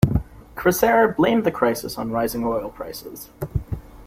Krasair blamed the crisis on rising oil prices.